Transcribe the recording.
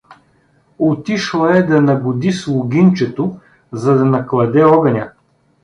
— Отишла е да нагоди слугинчето, за да накладе огъня.